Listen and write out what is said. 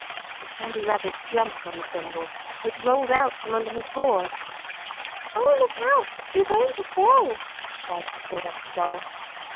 The Candy Rabbit jumped on the thimble, which rolled out from under his paws. "Oh, look out! You're going to fall!" cried the Sawdust Doll.